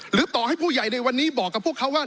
ต่อให้ผู้ใหญ่ในวันนี้บอกกับพวกเขาว่า